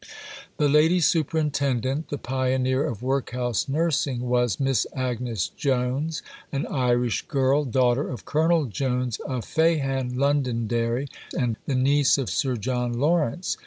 The Lady Superintendent the pioneer of workhouse nursing was Miss Agnes Jones, an Irish girl, daughter of Colonel Jones, of Fahan, Londonderry, and niece of Sir John Lawrence.